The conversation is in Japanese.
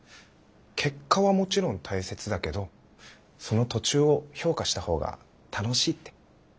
結果はもちろん大切だけどその途中を評価したほうが楽しいって。